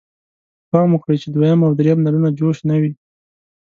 پام وکړئ چې دویم او دریم نلونه جوش نه وي.